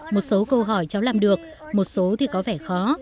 một số câu hỏi cháu làm được một số thì có vẻ khó